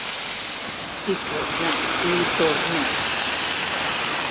Hi torna i hi torna.